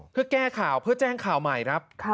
เพื่อแก้ข่าวเพื่อแจ้งข่าวใหม่ครับ